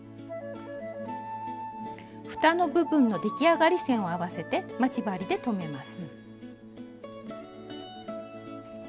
ふたの部分の出来上がり線を合わせて待ち針で留めます。